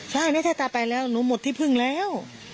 หนีไปแล้วหนูหมดที่พึ่งแล้ว